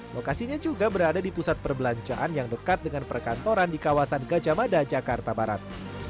lokasinya juga berada di pusat perbelanjaan yang dekat dengan perkantoran di kawasan gajah mada jakarta barat